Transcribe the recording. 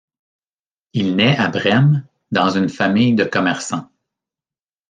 Il naît à Brème dans une famille de commerçants.